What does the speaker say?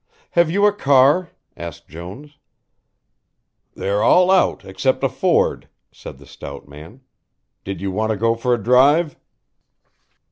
"Have you a car?" asked Jones. "They're all out except a Ford," said the stout man. "Did you want to go for a drive?"